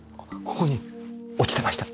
ここに落ちてました。